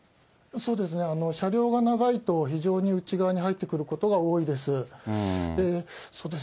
そうですね、車両が長いと、非常に内側に入ってくることが多いです。